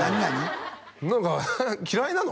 何か嫌いなの？